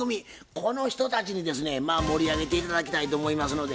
この人たちにですね盛り上げて頂きたいと思いますので。